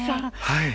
はい。